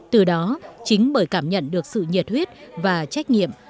từ đó chính bởi cảm nhận được sự nhiệt huyết và trách nhiệm